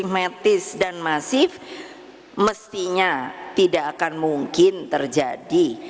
masif mestinya tidak akan mungkin terjadi